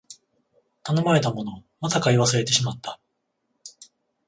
頼まれたもの、また買い忘れてしまった